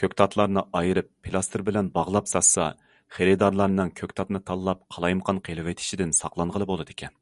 كۆكتاتلارنى ئايرىپ پىلاستىر بىلەن باغلاپ ساتسا، خېرىدارلارنىڭ كۆكتاتنى تاللاپ قالايمىقان قىلىۋېتىشىدىن ساقلانغىلى بولىدىكەن.